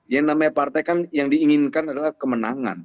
yang namanya partai kan yang diinginkan adalah kemenangan